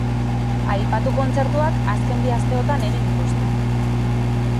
Aipatu kontzertuak azken bi asteotan egin dituzte.